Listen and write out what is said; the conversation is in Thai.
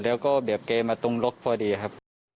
แล้วก็แบบแกมาตรงลกพอดีครับ